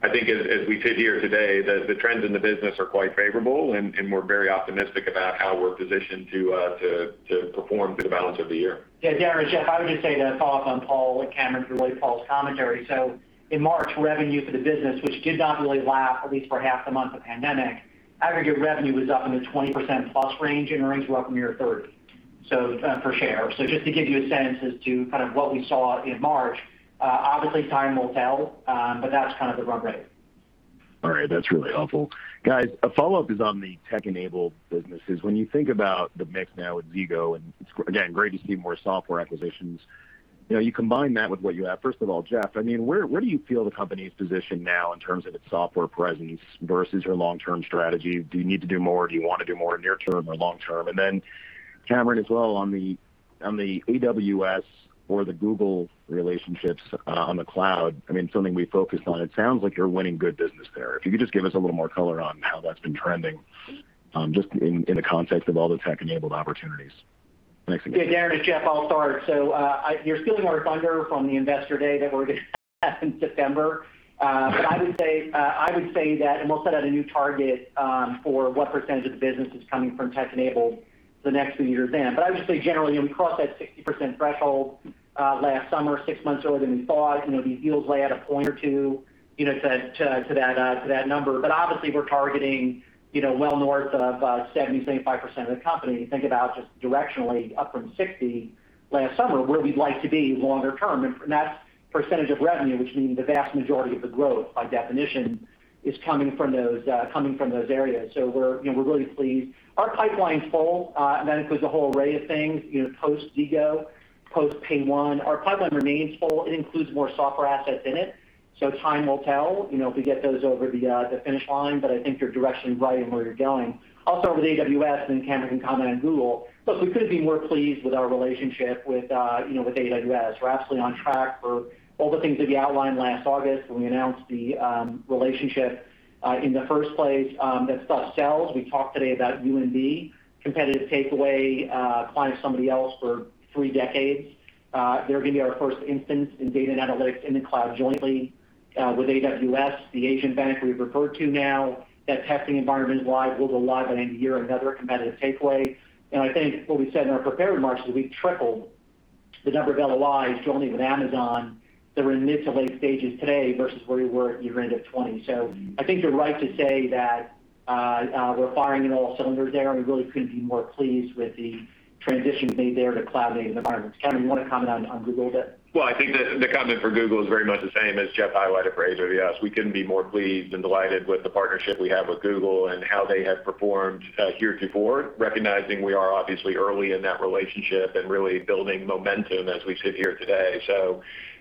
I think as we sit here today, the trends in the business are quite favorable, and we're very optimistic about how we're positioned to perform through the balance of the year. Yeah, Darrin, it's Jeff. I would just say to follow up on Paul and Cameron to relate Paul's commentary. In March, revenue for the business, which did not really lap, at least for half the month, the pandemic, aggregate revenue was up in the 20%+ range and earnings were up near 30%. for share. Just to give you a sense as to what we saw in March, obviously time will tell, but that's kind of the run rate. All right. That's really helpful. Guys, a follow-up is on the tech-enabled businesses. When you think about the mix now with Zego, and it's again, great to see more software acquisitions. You combine that with what you have. First of all, Jeff, where do you feel the company's positioned now in terms of its software presence versus your long-term strategy? Do you need to do more? Do you want to do more near term or long term? Cameron as well on the AWS or the Google relationships on the cloud, something we focused on. It sounds like you're winning good business there. If you could just give us a little more color on how that's been trending, just in the context of all the tech-enabled opportunities. Thanks again. Darrin, it's Jeff. I'll start. You're stealing our thunder from the investor day that we're going to have in September. I would say that, and we'll set out a new target for what percentage of the business is coming from tech-enabled the next few years. I would just say generally, we crossed that 60% threshold last summer, six months earlier than we thought. These deals lay at one or two to that number. Obviously, we're targeting well north of 70%, 75% of the company. Think about just directionally up from 60% last summer, where we'd like to be longer term. That's percentage of revenue, which means the vast majority of the growth, by definition, is coming from those areas. We're really pleased. Our pipeline's full. That includes a whole array of things post Zego, post PAYONE. Our pipeline remains full. It includes more software assets in it. Time will tell if we get those over the finish line. I think you're directionally right in where you're going. With AWS, Cameron can comment on Google. Look, we couldn't be more pleased with our relationship with AWS. We're absolutely on track for all the things that we outlined last August when we announced the relationship in the first place that sells. We talked today about UMB, competitive takeaway, client of somebody else for three decades. They're going to be our first instance in data and analytics in the cloud jointly with AWS. The Asian bank we've referred to now, that testing environment is live, will go live at end of year, another competitive takeaway. I think what we said in our prepared remarks is we've tripled the number of LOIs jointly with Amazon that are in mid to late stages today versus where we were at year end of 2020. I think you're right to say that we're firing on all cylinders there, and we really couldn't be more pleased with the transitions made there to cloud-native environments. Cameron, you want to comment on Google a bit? I think the comment for Google is very much the same as Jeff highlighted for AWS. We couldn't be more pleased and delighted with the partnership we have with Google and how they have performed here to forward, recognizing we are obviously early in that relationship and really building momentum as we sit here today.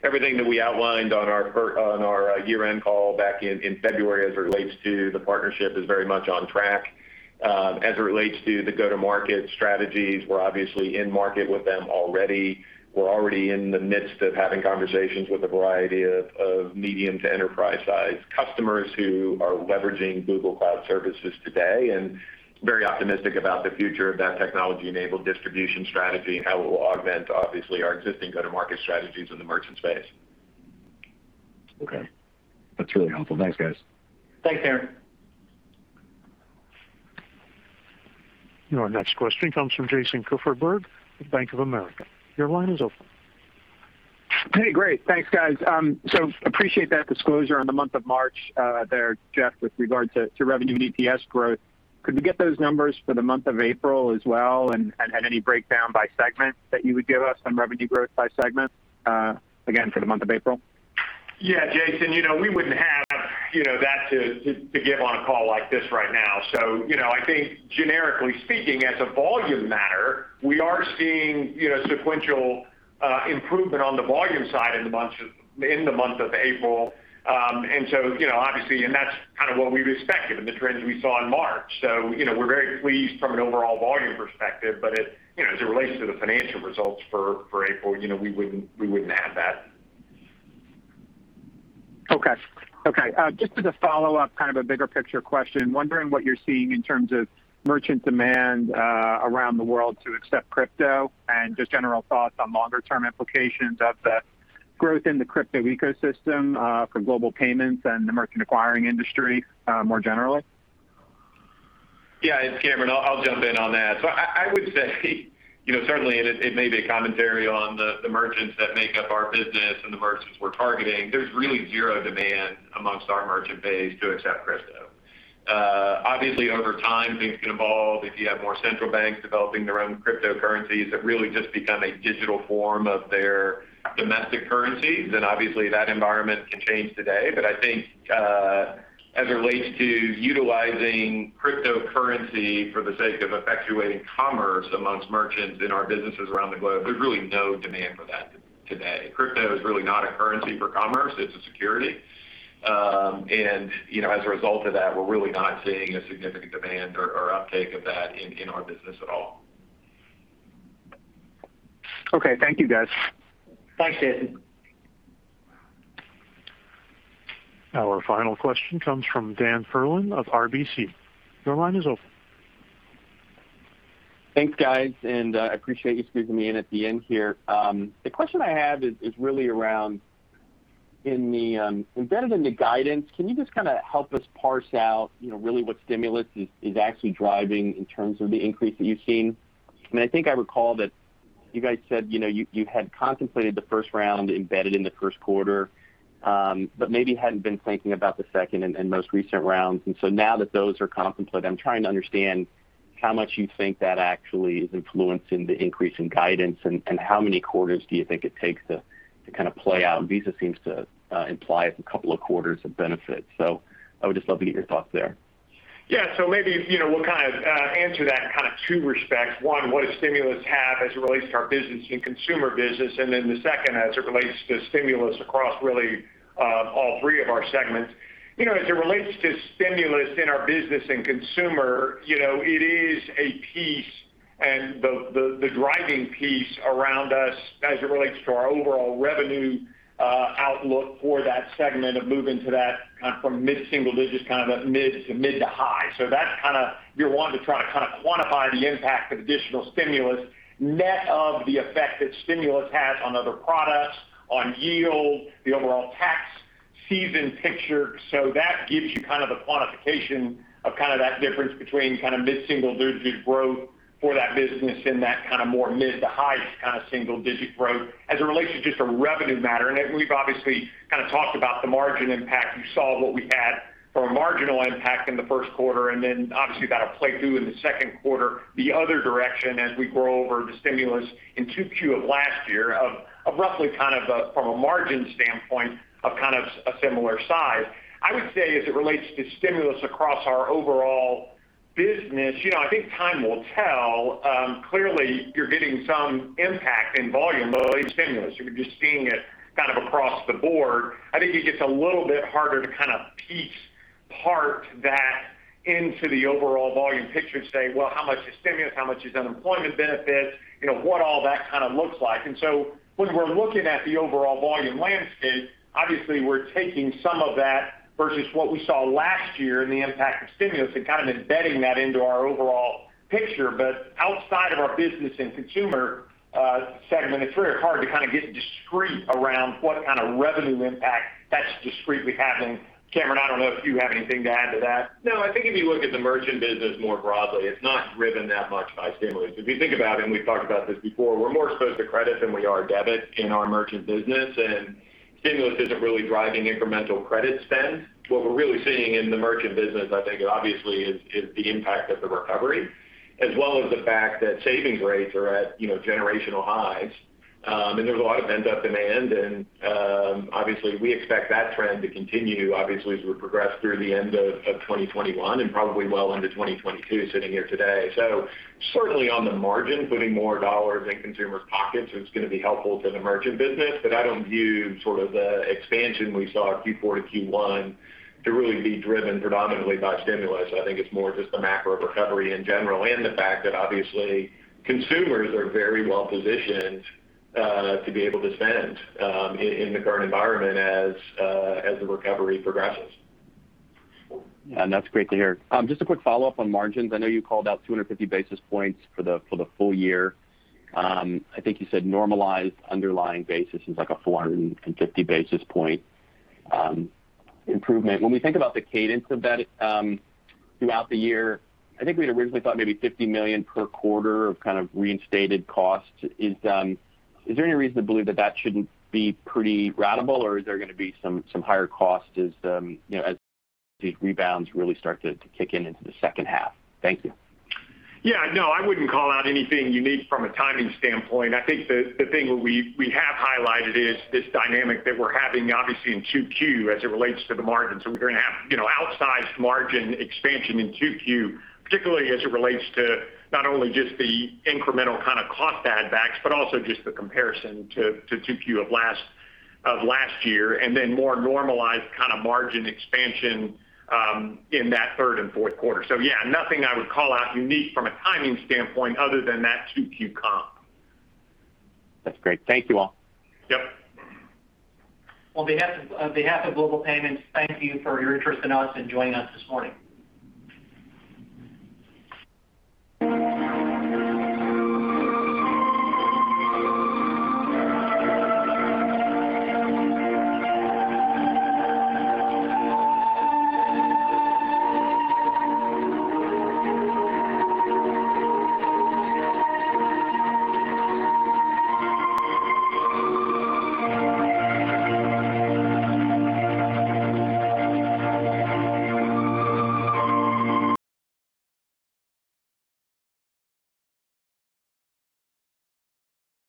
Everything that we outlined on our year-end call back in February as it relates to the partnership is very much on track. As it relates to the go-to-market strategies, we're obviously in market with them already. We're already in the midst of having conversations with a variety of medium to enterprise-sized customers who are leveraging Google Cloud Services today, and very optimistic about the future of that technology-enabled distribution strategy and how it will augment, obviously, our existing go-to-market strategies in the merchant space. Okay. That's really helpful. Thanks, guys. Thanks, Darrin. Your next question comes from Jason Kupferberg of Bank of America. Your line is open. Hey. Great. Thanks, guys. Appreciate that disclosure on the month of March there, Jeff, with regard to revenue and EPS growth. Could we get those numbers for the month of April as well? Any breakdown by segment that you would give us on revenue growth by segment, again, for the month of April? Yeah, Jason, we wouldn't have that to give on a call like this right now. I think generically speaking, as a volume matter, we are seeing sequential improvement on the volume side in the month of April. obviously, and that's kind of what we expected and the trends we saw in March. we're very pleased from an overall volume perspective, but as it relates to the financial results for April, we wouldn't have that. Okay. Just as a follow-up, kind of a bigger picture question, wondering what you're seeing in terms of merchant demand around the world to accept crypto and just general thoughts on longer term implications of the growth in the crypto ecosystem for Global Payments and the merchant acquiring industry more generally? Yeah. It's Cameron. I'll jump in on that. I would say, certainly, and it may be a commentary on the merchants that make up our business and the merchants we're targeting. There's really zero demand amongst our merchant base to accept crypto. Obviously, over time, things can evolve if you have more central banks developing their own cryptocurrencies that really just become a digital form of their domestic currencies, then obviously that environment can change today. I think as it relates to utilizing cryptocurrency for the sake of effectuating commerce amongst merchants in our businesses around the globe, there's really no demand for that today. Crypto is really not a currency for commerce. It's a security. As a result of that, we're really not seeing a significant demand or uptake of that in our business at all. Okay. Thank you, guys. Thanks, Jason. Our final question comes from Dan Perlin of RBC. Your line is open. Thanks, guys, and I appreciate you squeezing me in at the end here. The question I have is really around, embedded in the guidance, can you just kind of help us parse out really what stimulus is actually driving in terms of the increase that you've seen? I think I recall that you guys said you had contemplated the first round embedded in the first quarter but maybe hadn't been thinking about the second and most recent rounds. Now that those are contemplated, I'm trying to understand how much you think that actually is influencing the increase in guidance, and how many quarters do you think it takes to kind of play out? Visa seems to imply it's a couple of quarters of benefit. I would just love to get your thoughts there. Yeah. Maybe, we'll kind of answer that in kind of two respects. One, what does stimulus have as it relates to our business and consumer business, and then the second as it relates to stimulus across really all three of our segments. As it relates to stimulus in our business and consumer, it is a piece and the driving piece around us as it relates to our overall revenue outlook for that segment of moving to that kind of from mid-single digits, kind of a mid to high. That's kind of, you're wanting to try to kind of quantify the impact of additional stimulus net of the effect that stimulus has on other products, on yield, the overall tax season picture. that gives you kind of the quantification of that difference between kind of mid-single digit growth for that business and that kind of more mid to high kind of single digit growth as it relates to just a revenue matter. we've obviously kind of talked about the margin impact. You saw what we had from a marginal impact in the first quarter and then obviously that'll play through in the second quarter, the other direction as we grow over the stimulus in 2Q of last year of roughly kind of, from a margin standpoint, of kind of a similar size. I would say as it relates to stimulus across our overall business, I think time will tell. Clearly you're getting some impact in volume related to stimulus. You're just seeing it kind of across the board. I think it gets a little bit harder to kind of piece part that into the overall volume picture to say, "Well, how much is stimulus, how much is unemployment benefits?" What all that kind of looks like. When we're looking at the overall volume landscape, obviously we're taking some of that versus what we saw last year and the impact of stimulus and kind of embedding that into our overall picture. Outside of our business and consumer segment, it's very hard to kind of get discrete around what kind of revenue impact that's discretely happening. Cameron, I don't know if you have anything to add to that. No, I think if you look at the merchant business more broadly, it's not driven that much by stimulus. If you think about it, and we've talked about this before, we're more exposed to credit than we are debit in our merchant business, and stimulus isn't really driving incremental credit spend. What we're really seeing in the merchant business, I think, obviously, is the impact of the recovery, as well as the fact that savings rates are at generational highs. There's a lot of pent-up demand, and obviously we expect that trend to continue obviously as we progress through the end of 2021 and probably well into 2022 sitting here today. Certainly on the margin, putting more dollars in consumers' pockets is going to be helpful to the merchant business. I don't view sort of the expansion we saw Q4 to Q1 to really be driven predominantly by stimulus. I think it's more just the macro recovery in general and the fact that obviously consumers are very well positioned to be able to spend in the current environment as the recovery progresses. Yeah, that's great to hear. Just a quick follow-up on margins. I know you called out 250 basis points for the full year. I think you said normalized underlying basis is like a 450 basis point improvement. When we think about the cadence of that throughout the year, I think we had originally thought maybe $50 million per quarter of kind of reinstated costs. Is there any reason to believe that that shouldn't be pretty ratable, or is there going to be some higher cost as these rebounds really start to kick in into the second half? Thank you. Yeah, no, I wouldn't call out anything unique from a timing standpoint. I think the thing we have highlighted is this dynamic that we're having obviously in 2Q as it relates to the margins. we're going to have outsized margin expansion in 2Q, particularly as it relates to not only just the incremental kind of cost add backs, but also just the comparison to 2Q of last year, and then more normalized kind of margin expansion in that third and fourth quarter. yeah, nothing I would call out unique from a timing standpoint other than that 2Q comp. That's great. Thank you all. Yep. On behalf of Global Payments, thank you for your interest in us and joining us this morning.